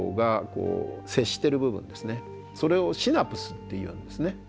それをシナプスっていうんですね。